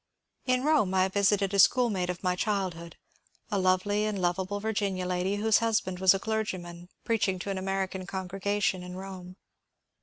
^ In Borne I visited a schoolmate of my childhood, a lovely and lovable Virginia lady whose husband was a clergyman preaching to an American congregation in Bome.